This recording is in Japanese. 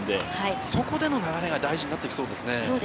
そこでの流れが大事になってきそうですね。